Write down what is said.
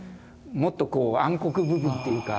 もっとこう暗黒部分っていうか